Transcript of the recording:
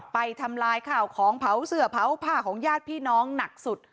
ทำลายข้าวของเผาเสื้อเผาผ้าของญาติพี่น้องหนักสุด